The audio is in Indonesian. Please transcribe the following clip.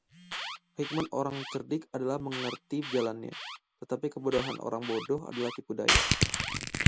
Hikmat orang cerdik adalah mengerti jalannya, tetapi kebodohan orang bodoh adalah tipu daya.